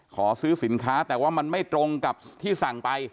ขอซื้อสินค้าแต่ว่ามันไม่ตรงกับที่สั่งไป